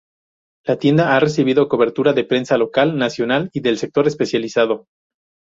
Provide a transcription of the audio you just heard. La tienda ha recibido cobertura de prensa local, nacional y del sector especializado.